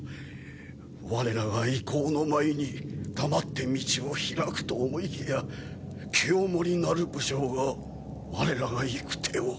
我らが威光の前に黙って道を開くと思いきや清盛なる武将が我らが行く手を。